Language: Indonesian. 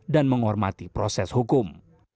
dan menghormati proses hukum